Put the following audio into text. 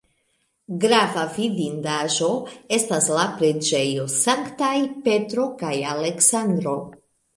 Grava vidindaĵo estas la preĝejo Sanktaj Petro kaj Aleksandro.